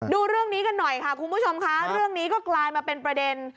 ดูเรื่องนี้กันหน่อยค่ะคุณผู้ชมค่ะเรื่องนี้ก็กลายมาเป็นประเด็น